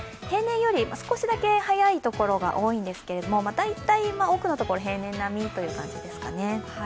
平年より少しだけ早いところが多いんですが大体、多くのところ平年並みというところですね。